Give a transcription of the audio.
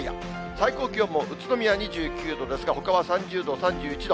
最高気温も宇都宮２９度ですが、ほかは３０度、３１度。